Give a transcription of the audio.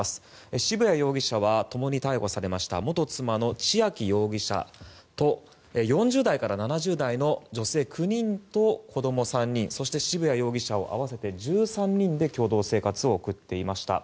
渋谷容疑者は共に逮捕されました元妻の千秋容疑者と４０代から７０代の女性９人と子供３人、そして渋谷容疑者を合わせて１３人で共同生活を送っていました。